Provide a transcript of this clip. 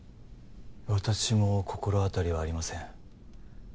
私も心当たりはありません